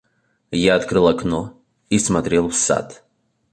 Я открыл окно и смотрел в сад.